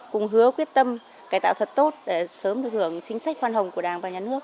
cùng hứa quyết tâm cải tạo thật tốt để sớm được hưởng